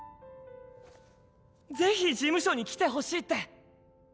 ぜひ事務所に来てほしいって！